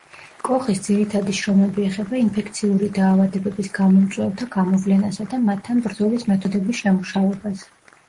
კოხის ძირითადი შრომები ეხება ინფექციური დაავადებების გამომწვევთა გამოვლენასა და მათთან ბრძოლის მეთოდების შემუშავებას.